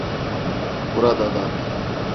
Burada da.